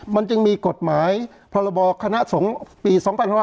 มันจึงมีกฎหมายพรบคณะสงฆ์ปี๒๕๖๒